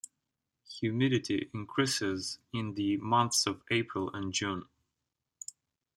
Humidity increases in the months of April and June.